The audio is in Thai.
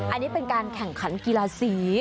อันนี้เป็นการแข่งขันกีฬาสี